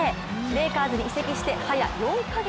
レイカーズに移籍して早４か月。